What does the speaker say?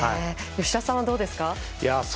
吉田さんはどうですか？